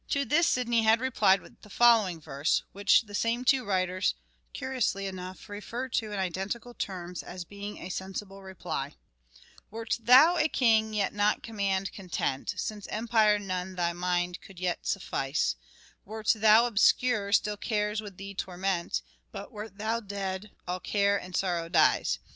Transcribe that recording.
To this Sidney had replied in the following verse — which the same two writers, curiously enough, refer to in identical terms, as being a sensible reply :—" Wert thou a king, yet not command content, Since empire none thy mind could yet suffice, Wert thou obscure, still cares would thee torment ; But wert thou dead all care and sorrow dies.